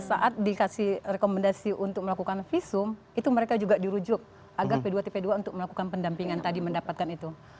jadi rekomendasi untuk melakukan visum itu mereka juga dirujuk agar p dua tpa untuk melakukan pendampingan tadi mendapatkan itu